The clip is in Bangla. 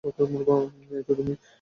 এই তো তুমি।